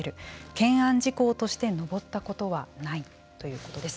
懸案事項として上ったことはないということです。